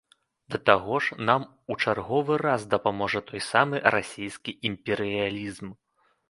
Да таго ж, нам у чарговы раз дапаможа той самы расійскі імперыялізм.